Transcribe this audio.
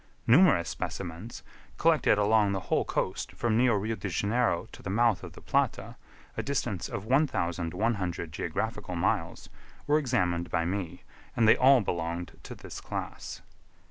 Numerous specimens, collected along the whole coast, from near Rio de Janeiro to the mouth of the Plata, a distance of 1,100 geographical miles, were examined by me, and they all belonged to this class.